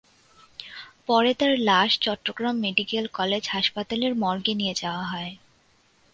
পরে তাঁর লাশ চট্টগ্রাম মেডিকেল কলেজ হাসপাতালের মর্গে নিয়ে যাওয়া হয়।